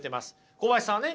小林さんがね